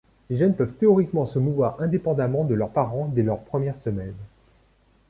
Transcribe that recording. Les jeunes peuvent théoriquement se mouvoir indépendamment de leurs parents dès leur première semaine.